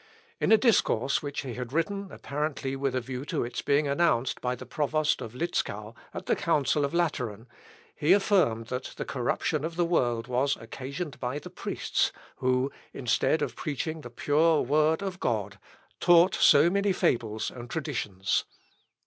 In a discourse which he had written apparently with a view to its being announced by the Provost of Litzkan, at the Council of Lateran, he affirmed that the corruption of the world was occasioned by the priests, who, instead of preaching the pure word of God, taught so many fables and traditions.